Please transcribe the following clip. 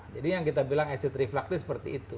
jadi yang kita bilang asid reflux itu seperti itu